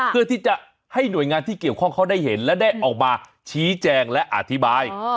เพื่อที่จะให้หน่วยงานที่เกี่ยวข้องเขาได้เห็นและได้ออกมาชี้แจงและอธิบาย